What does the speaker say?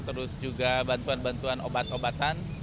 terus juga bantuan bantuan obat obatan